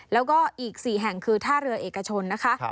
แล้วก็อีก๔แห่งคือท่าเรือเอกชนนะคะ